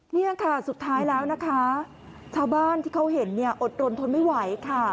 นี่ค่ะสุดท้ายแล้วนะคะชาวบ้านที่เขาเห็นเนี่ยอดรนทนไม่ไหวค่ะ